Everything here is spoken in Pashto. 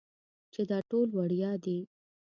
چې دا ټول وړيا دي.